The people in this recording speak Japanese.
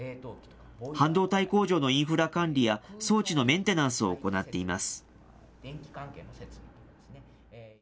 半導体工場のインフラ管理や、装置のメンテナンスを行っています。